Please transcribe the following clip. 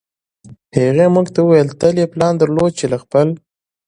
هغې موږ ته وویل تل یې پلان درلود چې له خپل